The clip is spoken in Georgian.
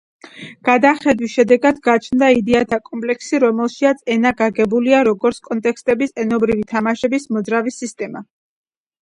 გადახედვის შედეგად გაჩნდა იდეათა კომპლექსი, რომელშიაც ენა გაგებულია როგორც კონტექსტების, „ენობრივი თამაშების“ მოძრავი სისტემა.